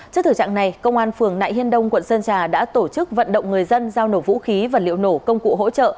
trước thử trạng này công an phường nại hiên đông quận sơn trà đã tổ chức vận động người dân giao nổ vũ khí và liệu nổ công cụ hỗ trợ